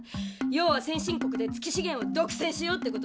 要は先進国で月資源を独せんしようってことだろ。